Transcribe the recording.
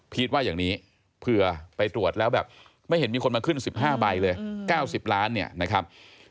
ว่าอย่างนี้เผื่อไปตรวจแล้วแบบไม่เห็นมีคนมาขึ้น๑๕ใบเลย๙๐ล้านเนี่ยนะครับ